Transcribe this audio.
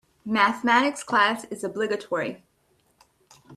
Mathematics class is obligatory.